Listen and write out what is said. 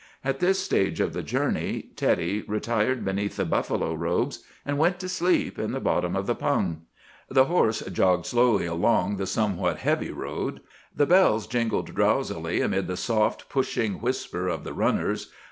At this stage of the journey Teddy retired beneath the buffalo robes, and went to sleep in the bottom of the pung. "The horse jogged slowly along the somewhat heavy road. The bells jingled drowsily amid the soft, pushing whisper of the runners.